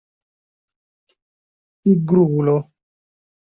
pigrulo